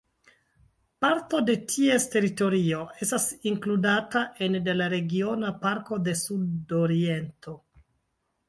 Parto de ties teritorio estas inkludata ene de la Regiona Parko de Sudoriento.